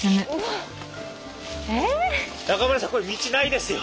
中村さんこれ道ないですよ。